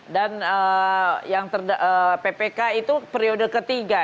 dan yang ppk itu periode ketiga